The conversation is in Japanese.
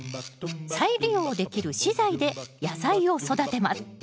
再利用できる資材で野菜を育てます。